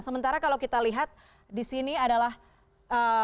sementara kalau kita lihat di sini adalah ee